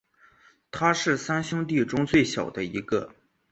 他是三兄弟中最小的一个。